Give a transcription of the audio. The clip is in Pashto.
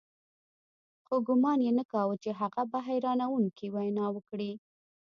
خو ګومان يې نه کاوه چې هغه به حيرانوونکې وينا وکړي.